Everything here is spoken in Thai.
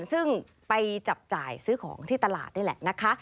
ซึ่งไปจับจ่ายซื้อของที่ตลาดนี่แหละนะคะ